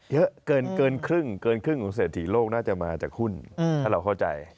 เยอะเกินครึ่งเกินครึ่งของเศรษฐีโลกน่าจะมาจากหุ้นถ้าเราเข้าใจ